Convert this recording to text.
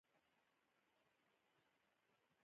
په افغانستان کې ستوني غرونه شتون لري.